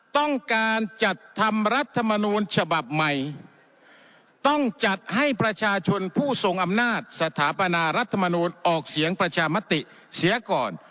ต้องการจัดทำรัฐมนูลฉบับใหม่ต้องจัดให้ประชาชนผู้ทรงอำนาจสถาปนารัฐมนูลออกเสียงประชามติเสียก่อน